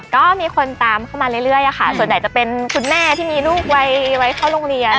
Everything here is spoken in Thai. ก็มีคนตามเข้ามาเรื่อยค่ะส่วนใหญ่จะเป็นคุณแม่ที่มีลูกไว้เข้าโรงเรียน